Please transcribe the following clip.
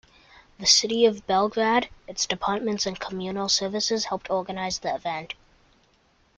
The City of Belgarde, its departments and communal services helped organize the event.